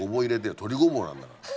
鶏ごぼうなんだから。